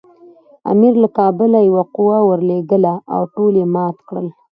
امیر له کابله یوه قوه ورولېږله او ټول یې مات کړل.